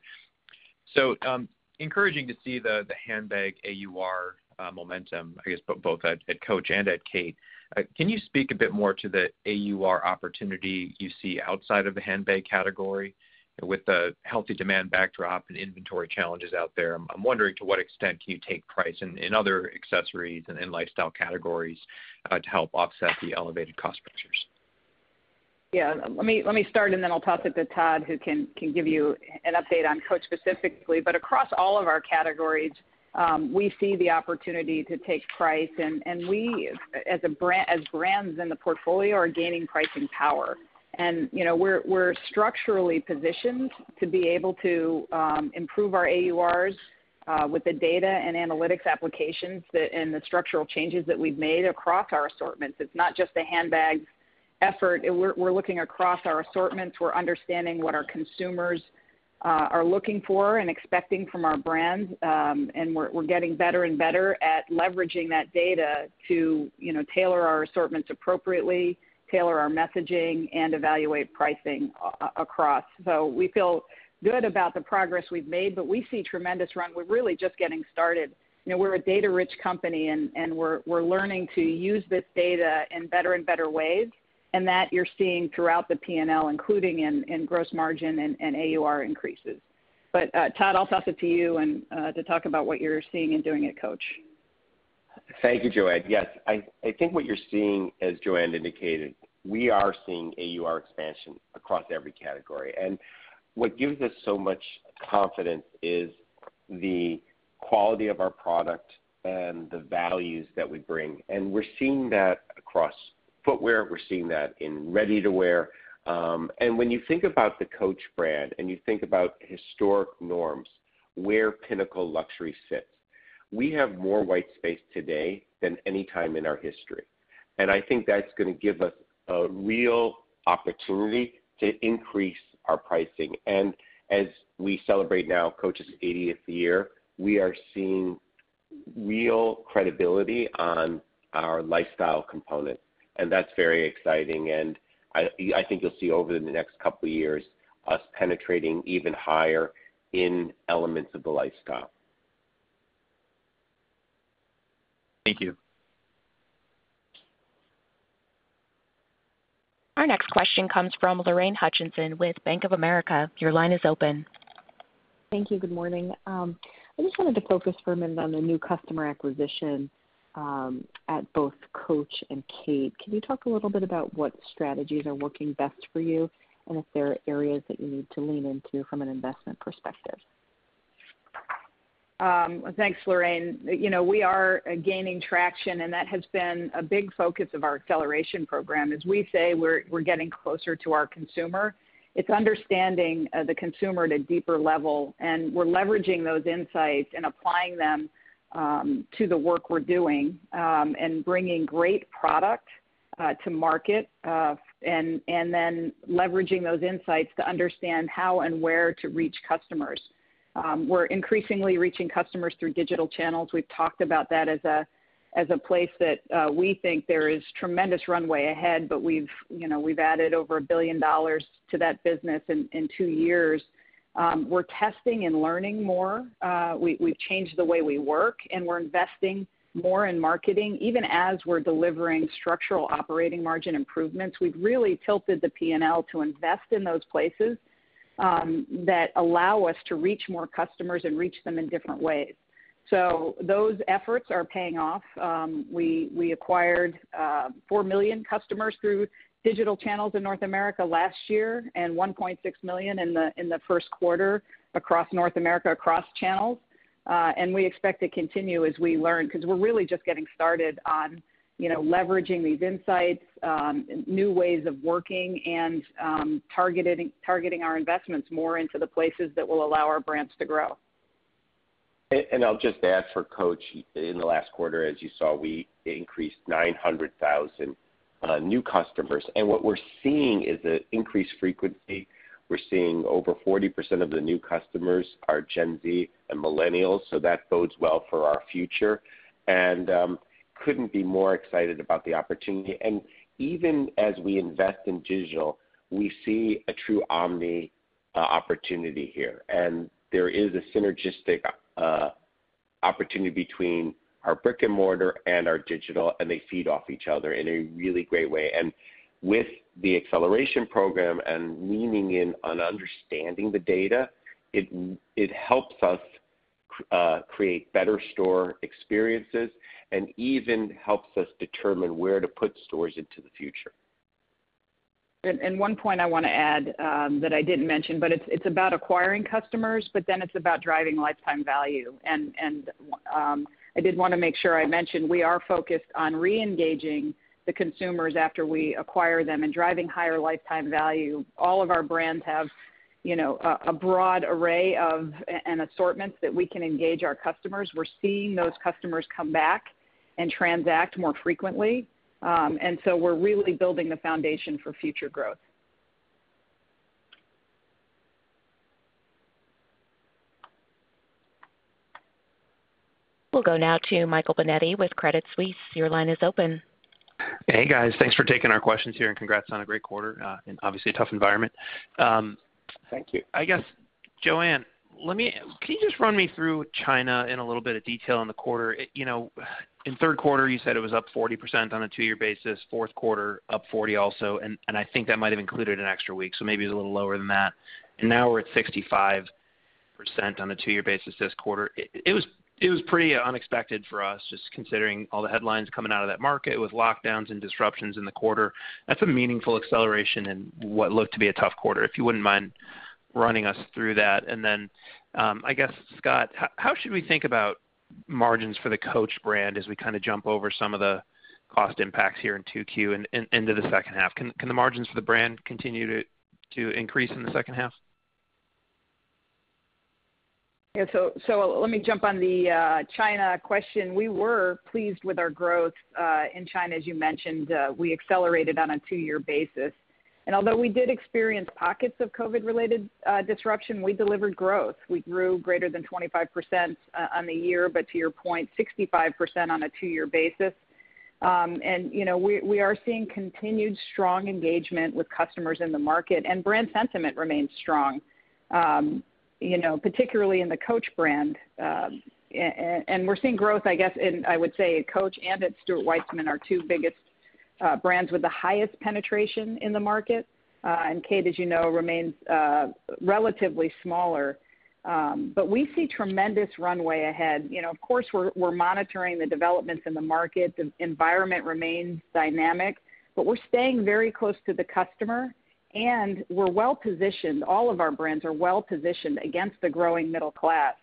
Encouraging to see the handbag AUR momentum, I guess, both at Coach and at Kate. Can you speak a bit more to the AUR opportunity you see outside of the handbag category? With the healthy demand backdrop and inventory challenges out there, I'm wondering to what extent can you take price in other accessories and in lifestyle categories to help offset the elevated cost pressures? Yeah, let me start and then I'll toss it to Todd, who can give you an update on Coach specifically. But across all of our categories, we see the opportunity to take price, and we as brands in the portfolio are gaining pricing power. You know, we're structurally positioned to be able to improve our AURs with the data and analytics applications and the structural changes that we've made across our assortments. It's not just a handbag effort. We're looking across our assortments. We're understanding what our consumers are looking for and expecting from our brands. We're getting better and better at leveraging that data to, you know, tailor our assortments appropriately, tailor our messaging, and evaluate pricing across. We feel good about the progress we've made, but we see tremendous run. We're really just getting started. You know, we're a data-rich company, and we're learning to use this data in better and better ways. That you're seeing throughout the P&L, including in gross margin and AUR increases. Todd, I'll toss it to you and to talk about what you're seeing and doing at Coach. Thank you Joanne. Yes, I think what you're seeing, as Joanne indicated, we are seeing AUR expansion across every category. What gives us so much confidence is the quality of our product and the values that we bring. We're seeing that across footwear. We're seeing that in ready-to-wear. When you think about the Coach brand and you think about historic norms, where pinnacle luxury sits, we have more white space today than any time in our history. I think that's going to give us a real opportunity to increase our pricing. As we celebrate now Coach's eightieth year, we are seeing real credibility on our lifestyle component, and that's very exciting. I think you'll see over the next couple of years, us penetrating even higher in elements of the lifestyle. Thank you. Our next question comes from Lorraine Hutchinson with Bank of America. Your line is open. Thank you. Good morning. I just wanted to focus for a minute on the new customer acquisition at both Coach and Kate. Can you talk a little bit about what strategies are working best for you, and if there are areas that you need to lean into from an investment perspective? Thanks Lorraine. You know, we are gaining traction, and that has been a big focus of our Acceleration Program. As we say, we're getting closer to our consumer. It's understanding the consumer at a deeper level, and we're leveraging those insights and applying them to the work we're doing, and bringing great product to market, and then leveraging those insights to understand how and where to reach customers. We're increasingly reaching customers through digital channels. We've talked about that as a place that we think there is tremendous runway ahead. We've added over $1 billion to that business in two years. We're testing and learning more. We've changed the way we work, and we're investing more in marketing, even as we're delivering structural operating margin improvements. We've really tilted the P&L to invest in those places that allow us to reach more customers and reach them in different ways. Those efforts are paying off. We acquired 4 million customers through digital channels in North America last year and 1.6 million in the first quarter across North America, across channels. We expect to continue as we learn because we're really just getting started on, you know, leveraging these insights, new ways of working and targeting our investments more into the places that will allow our brands to grow. I'll just add for Coach, in the last quarter, as you saw, we increased 900,000 new customers. What we're seeing is the increased frequency. We're seeing over 40% of the new customers are Gen Z and Millennials, so that bodes well for our future and couldn't be more excited about the opportunity. Even as we invest in digital, we see a true omnichannel opportunity here. There is a synergistic opportunity between our brick-and-mortar and our digital, and they feed off each other in a really great way. With the Acceleration Program and leaning in on understanding the data, it helps us create better store experiences and even helps us determine where to put stores into the future. One point I want to add that I didn't mention, but it's about acquiring customers, but then it's about driving lifetime value. I did want to make sure I mentioned we are focused on reengaging the consumers after we acquire them and driving higher lifetime value. All of our brands have, you know, a broad array of an assortment that we can engage our customers. We're seeing those customers come back and transact more frequently. We're really building the foundation for future growth. We'll go now to Michael Binetti with Credit Suisse. Your line is open. Hey guys. Thanks for taking our questions here and congrats on a great quarter in obviously a tough environment. Thank you. I guess, Joanne, can you just run me through China in a little bit of detail in the quarter? You know, in third quarter, you said it was up 40% on a two-year basis, fourth quarter up 40% also. I think that might have included an extra week, so maybe it's a little lower than that. Now we're at 65% on a two-year basis this quarter. It was pretty unexpected for us, just considering all the headlines coming out of that market with lockdowns and disruptions in the quarter. That's a meaningful acceleration in what looked to be a tough quarter. If you wouldn't mind running us through that. I guess Scott, how should we think about margins for the Coach brand as we kind of jump over some of the cost impacts here in 2Q and into the second half? Can the margins for the brand continue to increase in the second half? Yeah. Let me jump on the China question. We were pleased with our growth in China. As you mentioned, we accelerated on a two-year basis. Although we did experience pockets of COVID-19-related disruption, we delivered growth. We grew greater than 25% on the year, but to your point, 65% on a two-year basis. You know, we are seeing continued strong engagement with customers in the market, and brand sentiment remains strong. You know, particularly in the Coach brand. We're seeing growth, I guess, in, I would say, at Coach and at Stuart Weitzman, our two biggest brands with the highest penetration in the market. Kate, as you know, remains relatively smaller. We see tremendous runway ahead. You know, of course, we're monitoring the developments in the market. The environment remains dynamic, but we're staying very close to the customer, and we're well positioned. All of our brands are well positioned against the growing middle class.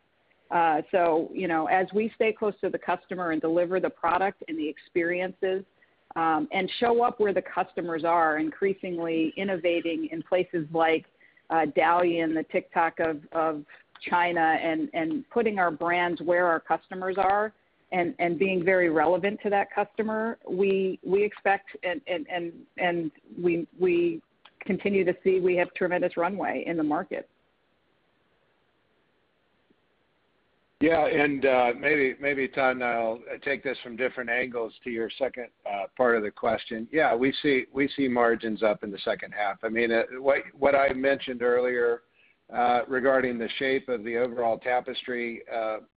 You know, as we stay close to the customer and deliver the product and the experiences, and show up where the customers are increasingly innovating in places like Douyin, the TikTok of China, and putting our brands where our customers are and being very relevant to that customer, we expect and we continue to see we have tremendous runway in the market. Yeah. Maybe Todd and I'll take this from different angles to your second part of the question. Yeah, we see margins up in the second half. I mean, what I mentioned earlier regarding the shape of the overall Tapestry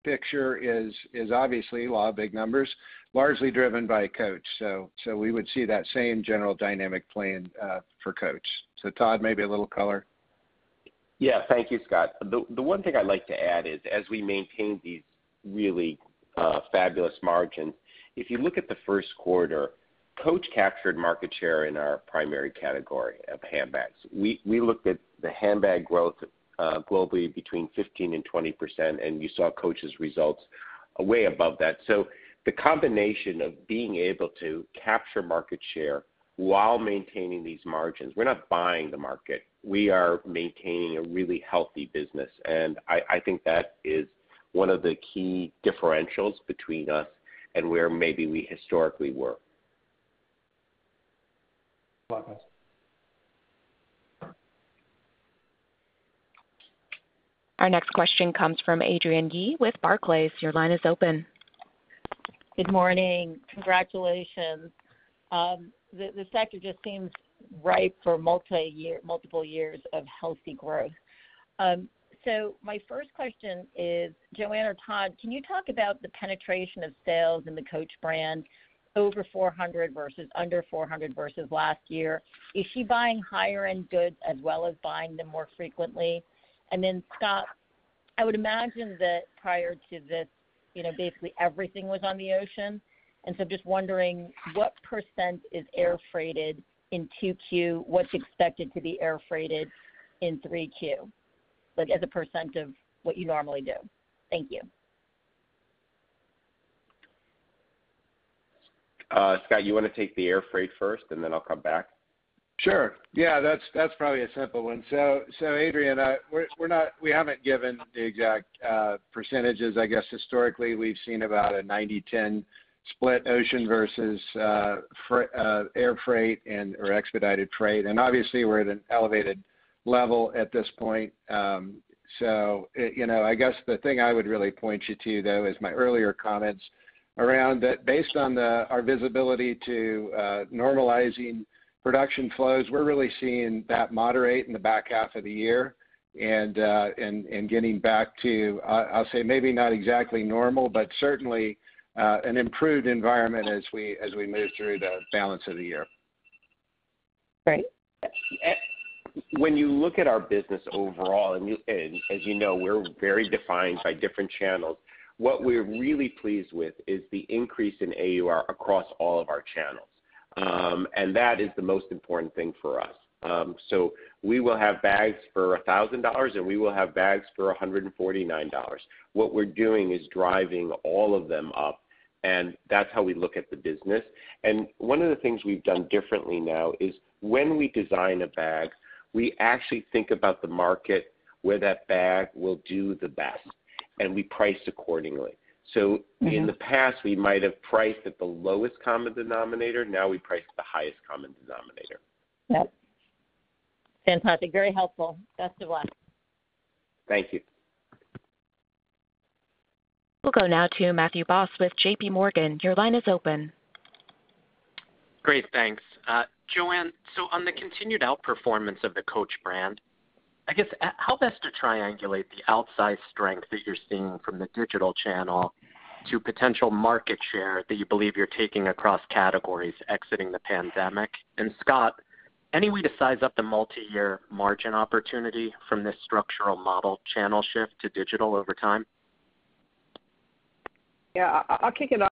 picture is obviously a lot of big numbers, largely driven by Coach. We would see that same general dynamic playing for Coach. Todd, maybe a little color. Yeah thank you Scott. The one thing I'd like to add is, as we maintain these really fabulous margins, if you look at the first quarter, Coach captured market share in our primary category of handbags. We looked at the handbag growth globally between 15%-20%, and you saw Coach's results way above that. The combination of being able to capture market share while maintaining these margins, we're not buying the market. We are maintaining a really healthy business, and I think that is one of the key differentials between us and where maybe we historically were. Marcus. Our next question comes from Adrienne Yih with Barclays. Your line is open. Good morning. Congratulations. The sector just seems ripe for multiple years of healthy growth. My first question is, Joanne or Todd, can you talk about the penetration of sales in the Coach brand over 400 versus under 400 versus last year? Is she buying higher-end goods as well as buying them more frequently? Then Scott, I would imagine that prior to this, you know, basically everything was on the ocean, and so just wondering what % is air freighted in 2Q, what's expected to be air freighted in 3Q, like as a % of what you normally do. Thank you. Scott you want to take the air freight first, and then I'll come back? Sure. Yeah. That's probably a simple one. Adrienne, we're not we haven't given the exact percentages. I guess historically, we've seen about a 90-10 split ocean versus air freight and/or expedited freight. Obviously, we're at an elevated level at this point. You know, I guess the thing I would really point you to though is my earlier comments around that based on our visibility to normalizing production flows. We're really seeing that moderate in the back half of the year and getting back to, I'll say, maybe not exactly normal, but certainly an improved environment as we move through the balance of the year. Great. When you look at our business overall, as you know, we're very defined by different channels, what we're really pleased with is the increase in AUR across all of our channels. That is the most important thing for us. We will have bags for $1,000, and we will have bags for $149. What we're doing is driving all of them up, and that's how we look at the business. One of the things we've done differently now is when we design a bag, we actually think about the market where that bag will do the best, and we price accordingly. In the past, we might have priced at the lowest common denominator. Now we price at the highest common denominator. Yep. Fantastic. Very helpful. Best of luck. Thank you. We'll go now to Matthew Boss with JPMorgan. Your line is open. Great. Thanks. Joanne, on the continued outperformance of the Coach brand, I guess how best to triangulate the outsized strength that you're seeing from the digital channel? The potential market share that you believe you're taking across categories exiting the pandemic. Scott, any way to size up the multi-year margin opportunity from this structural model channel shift to digital over time? Yeah. I'll kick it off.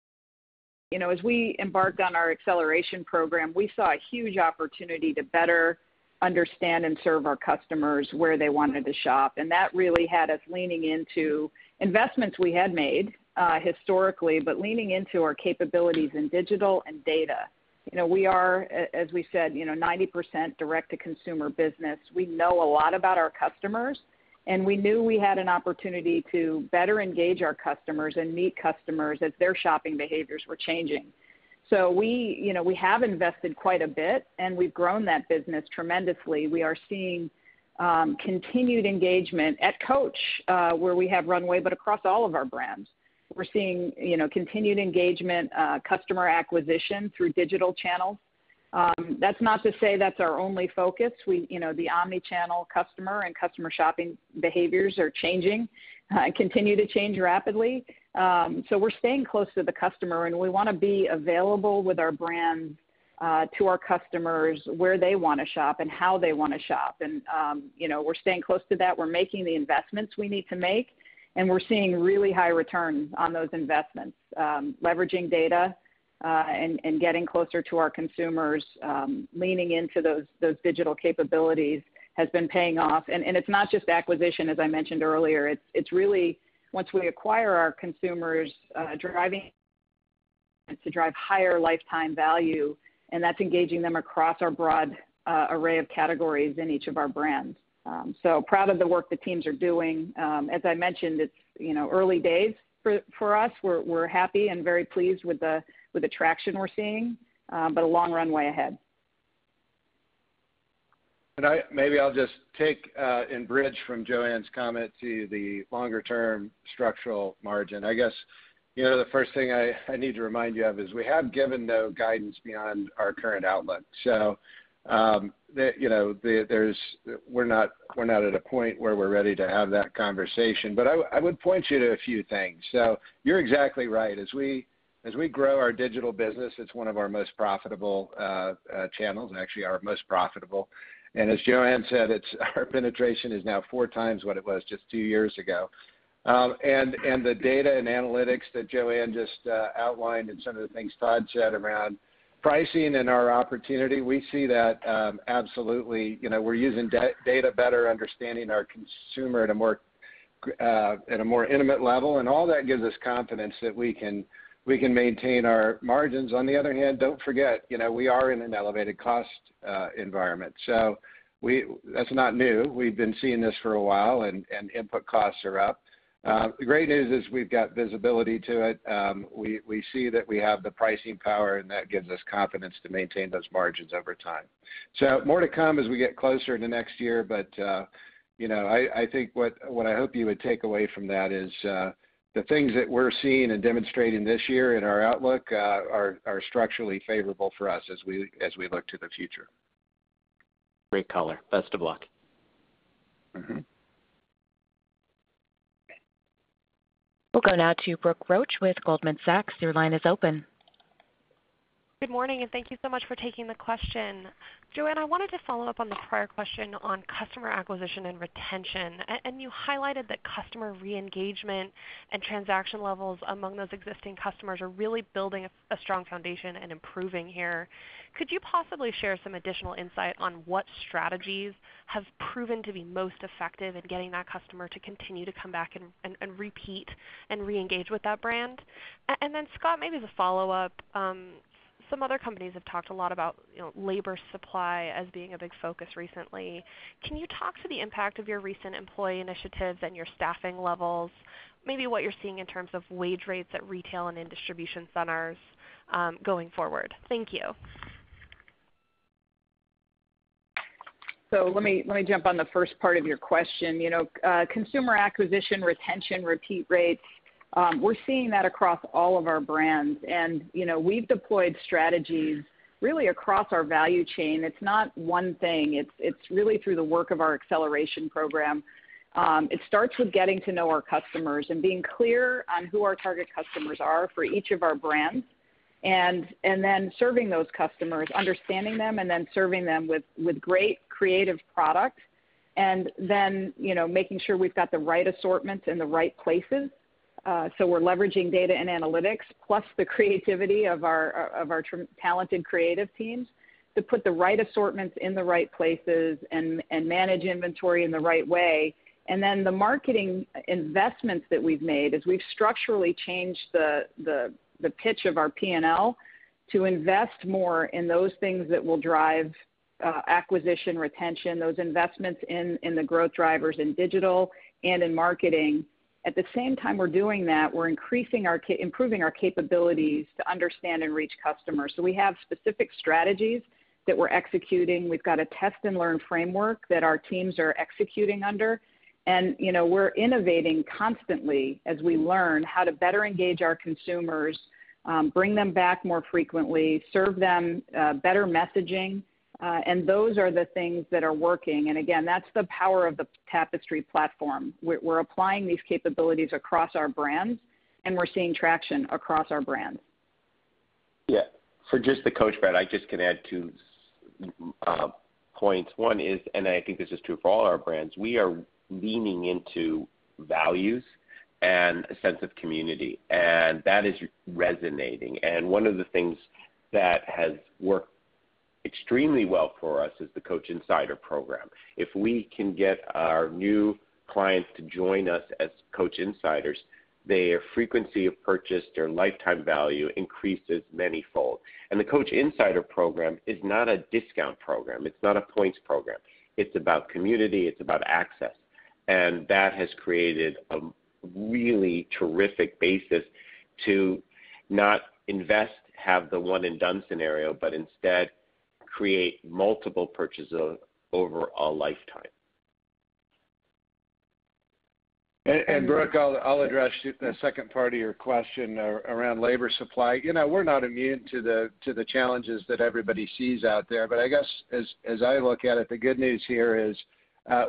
You know, as we embarked on our Acceleration Program, we saw a huge opportunity to better understand and serve our customers where they wanted to shop, and that really had us leaning into investments we had made historically, but leaning into our capabilities in digital and data. You know, we are as we said, you know, 90% direct to consumer business. We know a lot about our customers, and we knew we had an opportunity to better engage our customers and meet customers as their shopping behaviors were changing. You know, we have invested quite a bit, and we've grown that business tremendously. We are seeing continued engagement at Coach, where we have runway, but across all of our brands. We're seeing, you know, continued engagement, customer acquisition through digital channels. That's not to say that's our only focus. We, you know, the omni-channel customer and customer shopping behaviors are changing, continue to change rapidly. We're staying close to the customer, and we wanna be available with our brands, to our customers where they wanna shop and how they wanna shop. You know, we're staying close to that. We're making the investments we need to make, and we're seeing really high returns on those investments. Leveraging data, and getting closer to our consumers, leaning into those digital capabilities has been paying off. It's not just acquisition as I mentioned earlier. It's really once we acquire our consumers, driving higher lifetime value, and that's engaging them across our broad array of categories in each of our brands. Proud of the work the teams are doing. As I mentioned, it's, you know, early days for us. We're happy and very pleased with the traction we're seeing, but a long runway ahead. Maybe I'll just take and bridge from Joanne's comment to the longer term structural margin. I guess the first thing I need to remind you of is we have given no guidance beyond our current outlook. We're not at a point where we're ready to have that conversation, but I would point you to a few things. You're exactly right. As we grow our digital business, it's one of our most profitable channels, and actually our most profitable. As Joanne said, it's our penetration is now four times what it was just two years ago. The data and analytics that Joanne just outlined and some of the things Todd said around pricing and our opportunity, we see that absolutely. You know, we're using data better, understanding our consumer at a more intimate level, and all that gives us confidence that we can maintain our margins. On the other hand, don't forget, you know, we are in an elevated cost environment. That's not new. We've been seeing this for a while, and input costs are up. The great news is we've got visibility to it. We see that we have the pricing power, and that gives us confidence to maintain those margins over time. More to come as we get closer to next year, but, you know, I think what I hope you would take away from that is, the things that we're seeing and demonstrating this year in our outlook, are structurally favorable for us as we look to the future. Great color. Best of luck. We'll go now to Brooke Roach with Goldman Sachs. Your line is open. Good morning, and thank you so much for taking the question. Joanne, I wanted to follow up on the prior question on customer acquisition and retention. You highlighted that customer re-engagement and transaction levels among those existing customers are really building a strong foundation and improving here. Could you possibly share some additional insight on what strategies have proven to be most effective in getting that customer to continue to come back and repeat and re-engage with that brand? Scott, maybe the follow-up, some other companies have talked a lot about, you know, labor supply as being a big focus recently. Can you talk to the impact of your recent employee initiatives and your staffing levels, maybe what you're seeing in terms of wage rates at retail and in distribution centers, going forward? Thank you. Let me jump on the first part of your question. You know, consumer acquisition, retention, repeat rates, we're seeing that across all of our brands. You know, we've deployed strategies really across our value chain. It's not one thing. It's really through the work of our Acceleration Program. It starts with getting to know our customers and being clear on who our target customers are for each of our brands, and then serving those customers, understanding them, and then serving them with great creative product. You know, making sure we've got the right assortments in the right places. We're leveraging data and analytics, plus the creativity of our talented creative teams to put the right assortments in the right places and manage inventory in the right way. The marketing investments that we've made is we've structurally changed the pitch of our P&L to invest more in those things that will drive acquisition, retention, those investments in the growth drivers in digital and in marketing. At the same time we're doing that, we're improving our capabilities to understand and reach customers. We have specific strategies that we're executing. We've got a test and learn framework that our teams are executing under. You know, we're innovating constantly as we learn how to better engage our consumers, bring them back more frequently, serve them better messaging, and those are the things that are working. That's the power of the Tapestry platform. We're applying these capabilities across our brands, and we're seeing traction across our brands. For just the Coach brand, I just can add two points. One is, I think this is true for all our brands, we are leaning into values and a sense of community, and that is resonating. One of the things that has worked extremely well for us is the Coach Insider program. If we can get our new clients to join us as Coach Insiders, their frequency of purchase, their lifetime value increases manifold. The Coach Insider program is not a discount program. It's not a points program. It's about community, it's about access. That has created a really terrific basis to not just have the one and done scenario, but instead create multiple purchases over a lifetime. Brooke, I'll address the second part of your question around labor supply. You know, we're not immune to the challenges that everybody sees out there. I guess as I look at it, the good news here is,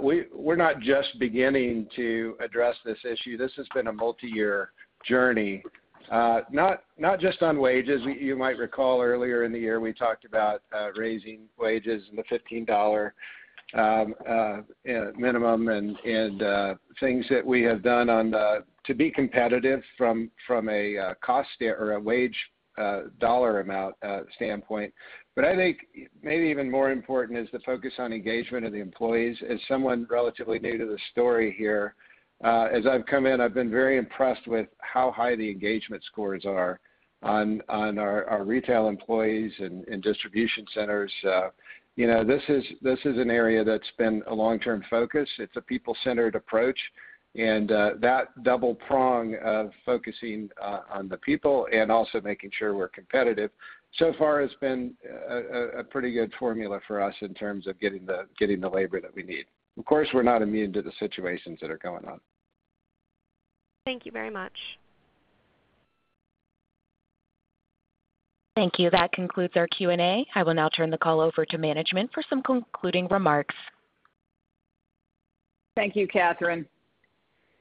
we're not just beginning to address this issue. This has been a multiyear journey. Not just on wages. You might recall earlier in the year, we talked about raising wages and the $15 minimum and things that we have done to be competitive from a cost or a wage dollar amount standpoint. I think maybe even more important is the focus on engagement of the employees. As someone relatively new to the story here, as I've come in, I've been very impressed with how high the engagement scores are on our retail employees and distribution centers. You know, this is an area that's been a long-term focus. It's a people-centered approach. That double prong of focusing on the people and also making sure we're competitive so far has been a pretty good formula for us in terms of getting the labor that we need. Of course, we're not immune to the situations that are going on. Thank you very much. Thank you. That concludes our Q&A. I will now turn the call over to management for some concluding remarks. Thank you, Catherine.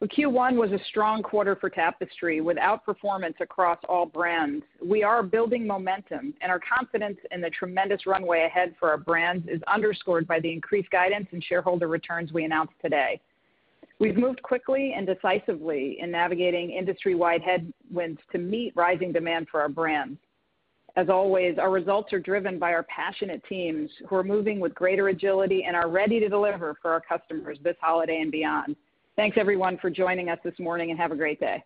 Well, Q1 was a strong quarter for Tapestry with outperformance across all brands. We are building momentum, and our confidence in the tremendous runway ahead for our brands is underscored by the increased guidance and shareholder returns we announced today. We've moved quickly and decisively in navigating industry-wide headwinds to meet rising demand for our brands. As always, our results are driven by our passionate teams, who are moving with greater agility and are ready to deliver for our customers this holiday and beyond. Thanks, everyone, for joining us this morning, and have a great day.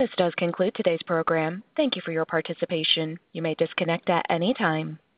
This does conclude today's program. Thank you for your participation. You may disconnect at any time.